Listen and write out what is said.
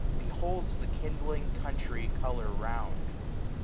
Beholds the kindling country colour round.